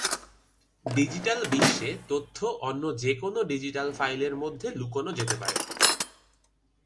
Digital বিশ্বে তথ্য অন্য যে কোনও ডিজিটাল ফাইলের মধ্যে লুকানো যেতে পারে।